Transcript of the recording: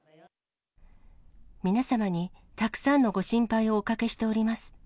皆様にたくさんのご心配をおかけしております。